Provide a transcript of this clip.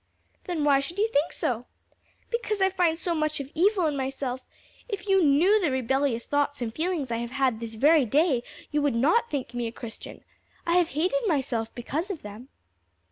"Then why should you think so?" "Because I find so much of evil in myself. If you knew the rebellious thoughts and feelings I have had this very day you would not think me a Christian. I have hated myself because of them."